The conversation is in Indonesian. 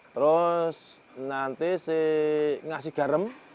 terus nanti si ngasih garam